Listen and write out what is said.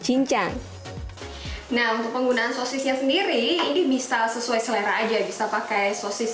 cincang nah untuk penggunaan sosisnya sendiri ini bisa sesuai selera aja bisa pakai sosis